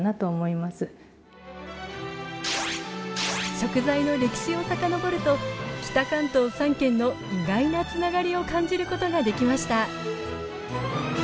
食材の歴史を遡ると北関東３県の意外なつながりを感じることができました